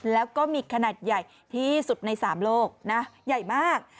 แล้วก็มีขนาดใหญ่ที่สุดใน๓โลกนะใหญ่มาก